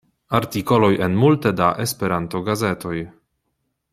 Artikoloj en multe da Esperanto-gazetoj.